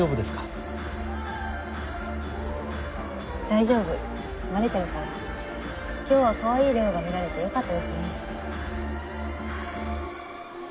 大丈夫慣れてるから今日はかわいいれおが見られてよかったですね